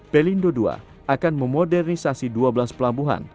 pelindo ii akan memodernisasi dua belas pelabuhan